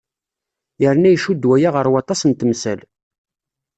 Yerna icudd waya ɣer waṭas n temsal.